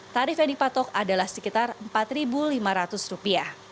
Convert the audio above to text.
tarif yang dipatok adalah sekitar rp empat lima ratus